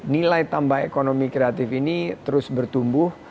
nilai tambah ekonomi kreatif ini terus bertumbuh